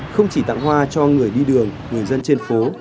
không chỉ tặng hoa cho người đi đường người dân trên phố